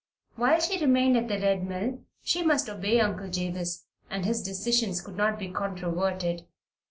While she remained at the Red Mill she must obey Uncle Jabez, and his decisions could not be controverted.